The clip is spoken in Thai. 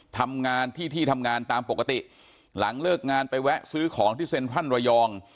ทำงานที่ที่ทำงานตามปกติหลังเลิกงานไปแวะซื้อของที่เซ็นทรัลระยอง